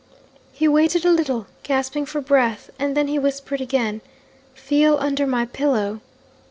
He waited a little, gasping for breath, and then he whispered again, 'Feel under my pillow.'